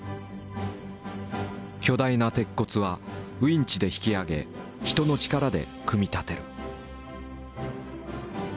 巨大な鉄骨はウインチで引き上げ人の力で組み立てる。